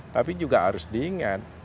tapi juga harus diingat